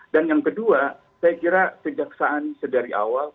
dan yang kedua saya kira sejak saat ini sedari awal